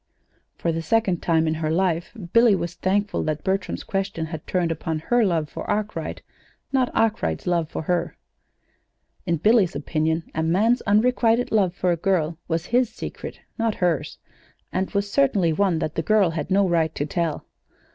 For the second time in her life Billy was thankful that Bertram's question had turned upon her love for Arkwright, not Arkwright's love for her. In Billy's opinion, a man's unrequited love for a girl was his secret, not hers, and was certainly one that the girl had no right to tell.